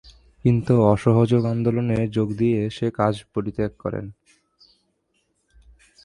কিন্তু অসহযোগ আন্দোলনে যোগ দিয়ে সে কাজ পরিত্যাগ করেন।